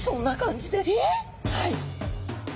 はい。